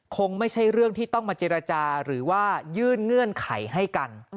คงไม่ใช่เรื่องที่ต้องมาเจรจาหรือว่ายื่นเงื่อนไขให้กัน